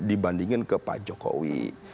dibandingin ke pak jokowi